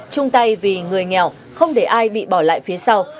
chung tay vì người nghèo không để ai bị bỏ lại phía sau